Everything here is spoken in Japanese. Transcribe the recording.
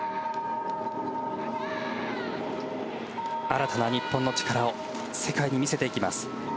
新たな日本の力を世界に見せていきます。